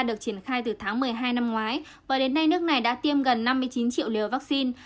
được triển khai từ tháng một mươi hai năm ngoái và đến nay nước này đã tiêm gần năm mươi chín triệu liều vaccine